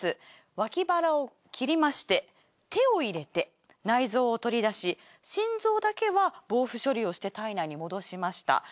脇腹を切りまして手を入れて内臓を取り出し心臓だけは防腐処理をして体内に戻しました。